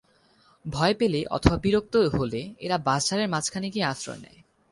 ভয় পেলে অথবা বিরক্ত হলে এরা বাঁশ-ঝাড়ের মাঝখানে গিয়ে আশ্রয় নেয়।